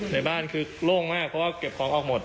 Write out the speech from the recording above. ในบ้านคือโล่งมากเพราะว่าเก็บของออกหมด